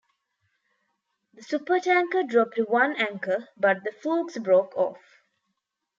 The supertanker dropped one anchor, but the flukes broke off.